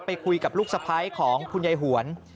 ไปคุยกับลูกสะพ้ายของคุณยายหวน